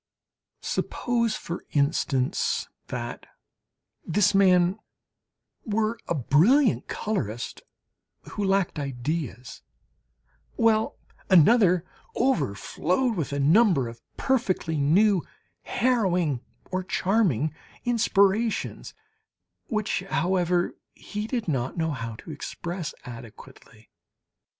Suppose, for instance, that this man were a brilliant colourist who lacked ideas, while another overflowed with a number of perfectly new, harrowing, or charming inspirations, which, however he did not know how to express adequately.